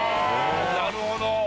なるほど。